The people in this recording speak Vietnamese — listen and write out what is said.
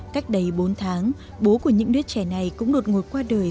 cách đây bốn tháng bố của những đứa trẻ này cũng đột ngột qua đời